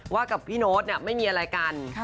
ว่ากับพี่โน๊ตเนี่ยไม่มีอะไรกัน